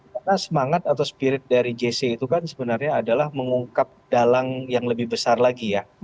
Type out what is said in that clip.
karena semangat atau spirit dari jc itu kan sebenarnya adalah mengungkap dalang yang lebih besar lagi ya